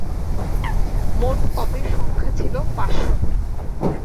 মোট কপির সংখ্যা ছিল পাঁচশ।